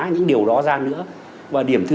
những điều đó ra nữa và điểm thứ